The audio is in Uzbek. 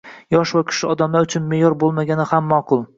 Yosh va kuchli odamlar uchun me’yor bo‘lmagani ham ma’qul